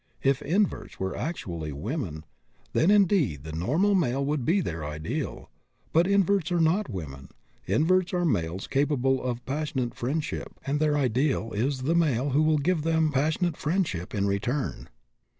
If inverts were actually women, then indeed the normal male would be their ideal. But inverts are not women. Inverts are males capable of passionate friendship, and their ideal is the male who will give them passionate friendship in return."